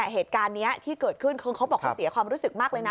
เหตุการณ์นี้ที่เกิดขึ้นคือเขาบอกเขาเสียความรู้สึกมากเลยนะ